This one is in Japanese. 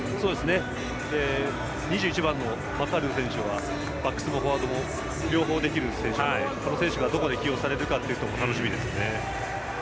２１番のマカル選手もバックスもフォワードも両方できる選手なのでこの選手がどこで起用されるか楽しみですね。